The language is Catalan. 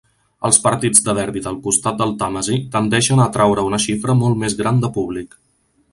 Els partits de derbi del costat del Tàmesi tendeixen a atraure una xifra molt més gran de públic.